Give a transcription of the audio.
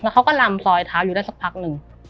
เขาก็ลำซอยเท้าอยู่ได้สักพักหนึ่ง